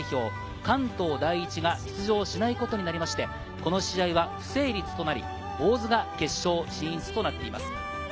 ・関東第一が出場しないことになりまして、この試合は不成立となり、大津が決勝進出となっています。